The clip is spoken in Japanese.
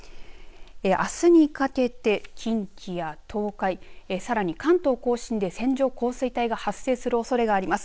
あすにかけて近畿や東海さらに関東甲信で線状降水帯が発生するおそれがあります。